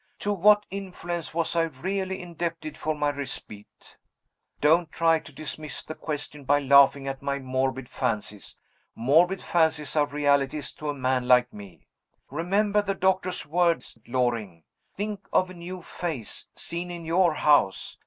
To what influence was I really indebted for my respite? Don't try to dismiss the question by laughing at my morbid fancies. Morbid fancies are realities to a man like me. Remember the doctor's words, Loring. Think of a new face, seen in your house!